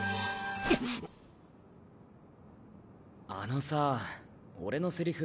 あのさァ俺のセリフ